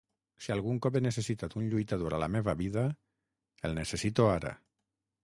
Si algun cop he necessitat un lluitador a la meva vida, el necessito ara.